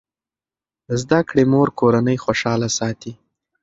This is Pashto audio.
د زده کړې مور کورنۍ خوشاله ساتي.